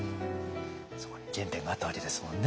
そこに原点があったわけですもんね。